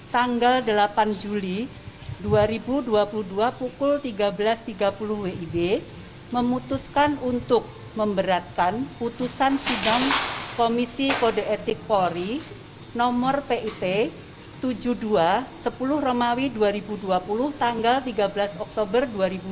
tanggal delapan juli dua ribu dua puluh dua pukul tiga belas tiga puluh wib memutuskan untuk memberatkan putusan sidang komisi kode etik polri nomor pit tujuh puluh dua sepuluh romawi dua ribu dua puluh tanggal tiga belas oktober dua ribu dua puluh